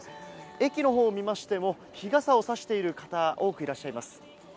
駅の方を見ましても、日傘をさしている方が多くいらっしゃいます。